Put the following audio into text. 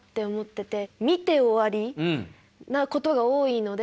見て終わりなことが多いので。